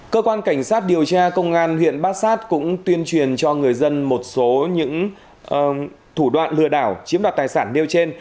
cơ quan cảnh sát điều tra công an huyện bát sát cũng tuyên truyền cho người dân một số những thủ đoạn lừa đảo chiếm đoạt tài sản nêu trên